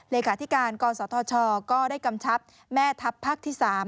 เลขาธิการกศธชก็ได้กำชับแม่ทัพภาคที่๓